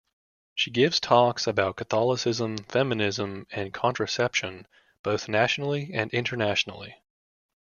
She gives talks about Catholicism, feminism, and contraception, both nationally and internationally.